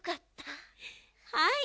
はい。